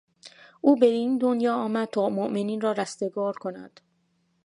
او به این دنیا آمد تا مومنین را رستگار کند.